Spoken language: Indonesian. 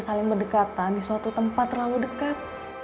saling berdekatan di suatu tempat terlalu dekat